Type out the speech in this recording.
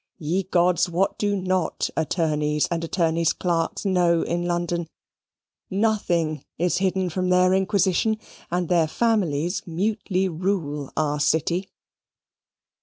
Ye gods, what do not attorneys and attorneys' clerks know in London! Nothing is hidden from their inquisition, and their families mutely rule our city.